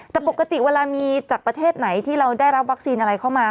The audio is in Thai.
แต่ปกติเวลามีจากประเทศไหนที่เราได้รับวัคซีนอะไรเข้ามา